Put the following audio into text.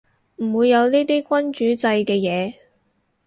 唔會有呢啲君主制嘅嘢